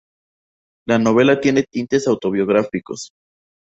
La novela tiene tintes autobiográficos.